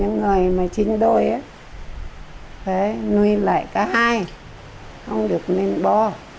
người mà chinh đôi á phải nuôi lại cả hai không được nên bỏ